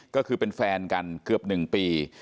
ก็คือเป็นแฟนกันเกือบ๑ปี